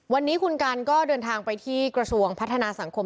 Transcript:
วันนี้คุณกันก็เดินทางไปที่กระทรวงพัฒนาสังคม